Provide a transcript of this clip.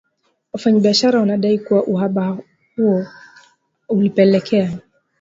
Wafanyabiashara wanadai kuwa uhaba huo ulipelekea